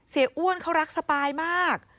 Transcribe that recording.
อ้วนเขารักสปายมาก